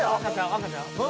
赤ちゃう？